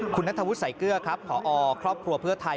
คุณนัทธวุฒิสายเกลือครับผอครอบครัวเพื่อไทย